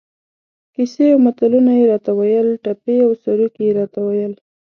کیسې او متلونه یې را ته ویل، ټپې او سروکي یې را ته ویل.